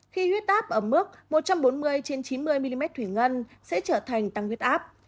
khi huyết áp ở mức một trăm bốn mươi trên chín mươi mm thủy ngân sẽ trở thành tăng huyết áp